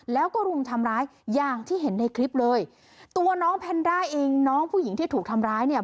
แล้วก็รุมทำร้ายอย่างที่เห็นในคลิปเลยตัวน้องแพนด้าเองน้องผู้หญิงที่ถูกทำร้ายเนี่ย